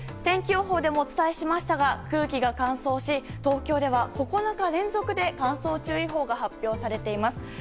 天気予報でもお伝えしましたが空気が乾燥し東京では９日連続で乾燥注意報が発表されています。